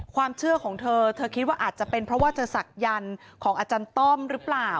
ความเชื่อของเธอเธอคิดว่าอาจจะเป็นเพราะว่าเธอศักยันต์ของอาจารย์ต้อมหรือเปล่า